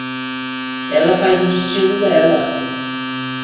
Ela faz o destino dela